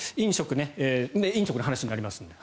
飲食の話になりますので。